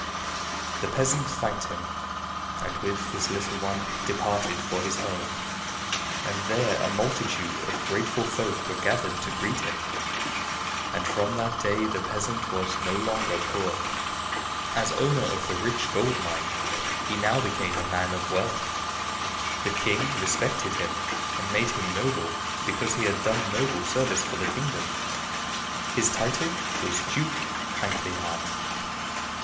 The peasant thanked him and with his little one departed for his home, and there a multitude of grateful folk were gathered to greet him. And from that day the peasant was no longer poor. As owner of the rich gold mine, he now became a man of wealth. The king respected him and made him noble because he had done noble service for the kingdom. His title was Duke Kindlyheart.